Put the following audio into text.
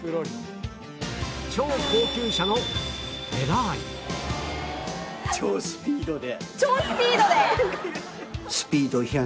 超高級車のフェラーリ超スピードで。